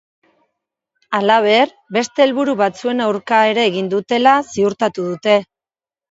Halaber, beste helburu batzuen aurka ere egin dutela ziurtatu dute.